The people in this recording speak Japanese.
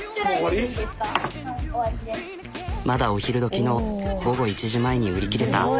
まだお昼どきの午後１時前に売り切れた。